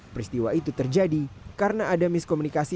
peristiwa itu terjadi karena ada miskomunikasi